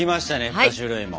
３種類も。